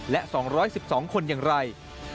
และ๒๑๒คนอย่างไร